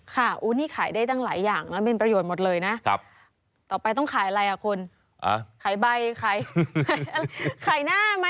ค่ะอู้นี่ขายได้ตั้งหลายอย่างนะเป็นประโยชน์หมดเลยนะ